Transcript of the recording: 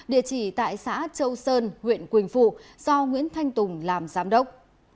địa chỉ tại xã châu sơn huyện quỳnh phụ do nguyễn thanh tùng làm giám đốc